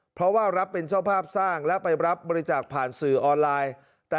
เพราะว่ารับเป็นเจ้าภาพสร้างและไปรับบริจาคผ่านสื่อออนไลน์